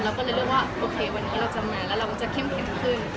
เราก็เลยเลือกว่าโอเควันนี้เราจำงานแล้วเราก็จะเข้มแข็งขึ้น